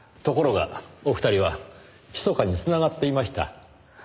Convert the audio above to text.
ところがお二人はひそかに繋がっていました。